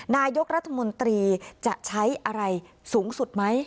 นายกรัฐมนตรีจะใช้อะไรสูงสุดไหม